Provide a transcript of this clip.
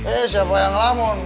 eh siapa yang ngelamun